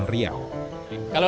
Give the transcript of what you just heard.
untuk sebarang masalah